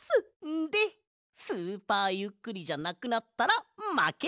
でスーパーゆっくりじゃなくなったらまけ！